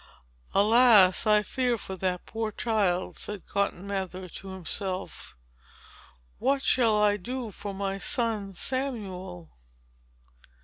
"Alas! I fear for that poor child," said Cotton Mather to himself. "What shall I do for my son Samuel?"